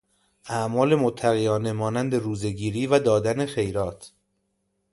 اعمال متقیانه مانند روزهگیری و دادن خیرات